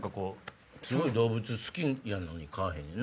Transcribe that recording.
すごい動物好きやのに飼わへんねんな。